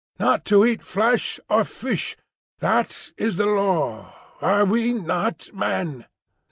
Not to eat Flesh or Fish; that is the Law. Are we not Men?